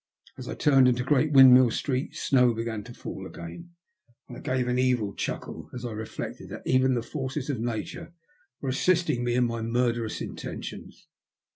As I turned into Great Windmill Street snow began to fall again, and I gave an evil chuckle as I reflected that even the forces of Nature were assisting me in my murderous intentions.